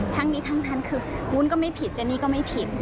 ทั้งนี้ทั้งนั้นคือวุ้นก็ไม่ผิดเจนี่ก็ไม่ผิด